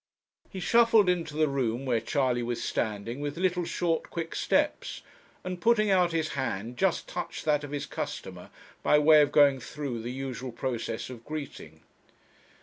He shuffled into the room where Charley was standing with little short quick steps, and putting out his hand, just touched that of his customer, by way of going through the usual process of greeting.